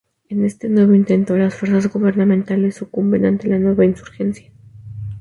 En este nuevo intento, las fuerzas gubernamentales sucumben ante la nueva insurgencia.